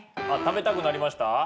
あっ食べたくなりました？